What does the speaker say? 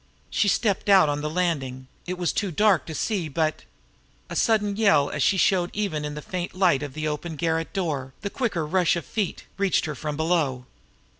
She stepped out on the landing; it was too dark to see, but... A sudden yell as she showed even in the faint light of the open garret door, the quicker rush of feet, reached her from below.